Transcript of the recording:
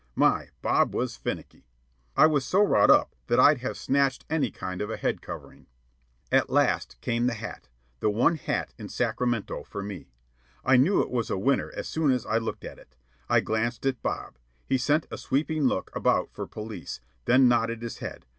My, Bob was finicky. I was so wrought up that I'd have snatched any kind of a head covering. At last came the hat, the one hat in Sacramento for me. I knew it was a winner as soon as I looked at it. I glanced at Bob. He sent a sweeping look about for police, then nodded his head.